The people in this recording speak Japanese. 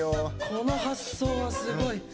この発想はすごい。